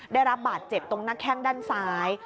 ได้รับบาทเจ็บในไข้งด้านซ้าย